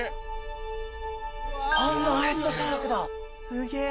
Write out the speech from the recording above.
すげえ。